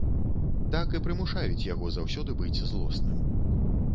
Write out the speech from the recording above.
Так і прымушаюць яго заўсёды быць злосным.